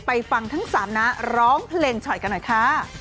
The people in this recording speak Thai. ฟังทั้งสามน้าร้องเพลงฉ่อยกันหน่อยค่ะ